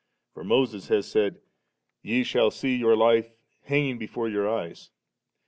For Moses has said, ' Ye shall see your Life hanging before your eyes '.'